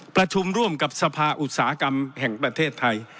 ประชุมร่วมกับสภาอุตสาหกรรมแห่งประเทศไทย